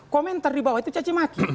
komentar di bawah itu cacimaki